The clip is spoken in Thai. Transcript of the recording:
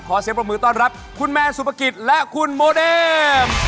เสียงปรบมือต้อนรับคุณแมนสุปกิจและคุณโมเดม